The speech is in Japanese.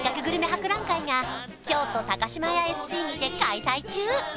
博覧会」が京都島屋Ｓ．Ｃ．にて開催中